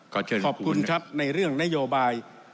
เชิญขอบคุณครับในเรื่องนโยบาย